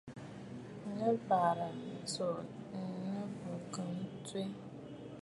Nɨ̀ bàrà tsuu ɨnnù ki tswɛɛ.